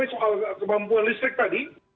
soal kemampuan listrik tadi